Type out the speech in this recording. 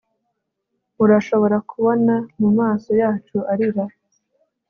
urashobora kubona mumaso yacu arira